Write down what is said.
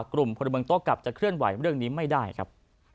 กลุ่มพลเมืองโต้กลับจะเคลื่อนไหวเรื่องนี้ไม่ได้ครับ